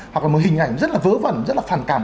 hoặc là một hình ảnh rất là vớ vẩn rất là phản cảm